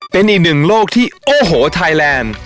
เป็นอีกหนึ่งโลกที่โอ้โหไทยแลนด์